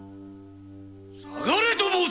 さがれと申すに！